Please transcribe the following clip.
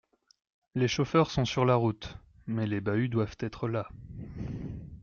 les chauffeurs sont sur la route. Mais les bahuts doivent être là.